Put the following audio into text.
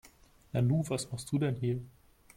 Nanu, was machst du denn hier?